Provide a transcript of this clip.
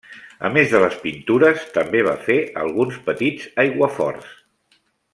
A més de les pintures, també va fer alguns petits aiguaforts.